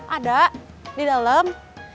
ada di dalam